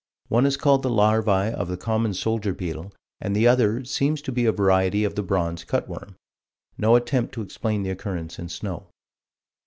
One is called the larvae of the common soldier beetle and the other "seems to be a variety of the bronze cut worm." No attempt to explain the occurrence in snow.